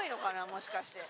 もしかして。